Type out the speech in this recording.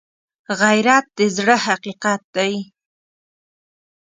غیرت د زړه حقیقت دی